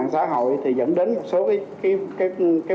xã hội thì dẫn đến một số